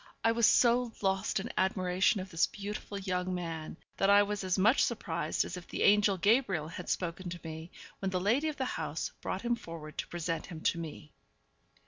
I was so lost in admiration of this beautiful young man, that I was as much surprised as if the angel Gabriel had spoken to me, when the lady of the house brought him forward to present him to me.